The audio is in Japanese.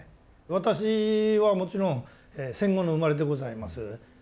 私はもちろん戦後の生まれでございます。